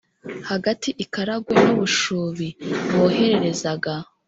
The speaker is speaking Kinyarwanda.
hagati i karagwe n u bushubi bohererezaga